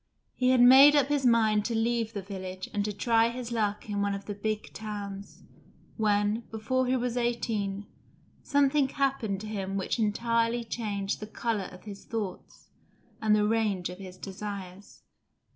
He had made up his mind to leave the village and to try his luck in one of the big towns, when, before he was eighteen, something happened to him which entirely changed the colour of his thoughts and the range of his desires.